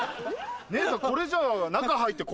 姉さんこれじゃ。